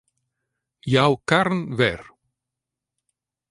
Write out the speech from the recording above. Jou karren wer.